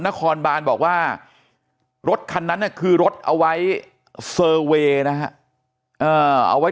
นครบานบอกว่ารถคันนั้นคือรถเอาไว้เซอร์เวย์นะฮะเอาไว้